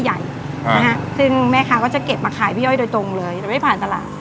ซึ่งแม่ค้าก็จะเก็บมาขายพี่ย่อยโดยตรงเลยแต่ไม่ผ่านตลาด